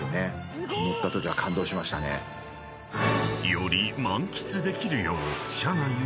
［より満喫できるよう］